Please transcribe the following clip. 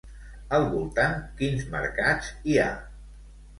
Al voltant quins mercats hi ha?